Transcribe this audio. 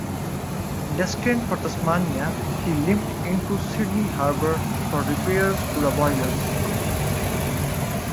Destined for Tasmania, she limped into Sydney Harbor for repairs to the boilers.